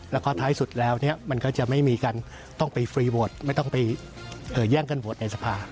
แล้วก็ท้ายสุดแล้วมันก็จะไม่มีการต้องไปฟรีโหวตไม่ต้องไปแย่งกันโหวตในสภา